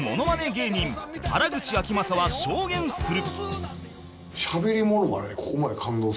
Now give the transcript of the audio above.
芸人原口あきまさは証言する